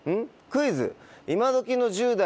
「クイズ！」。